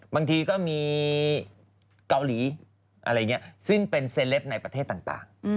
บางทีก็มีเกาหลีอะไรอย่างนี้ซึ่งเป็นเซลปในประเทศต่าง